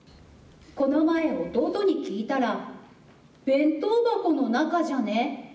この前、弟に聞いたら弁当箱の中じゃね？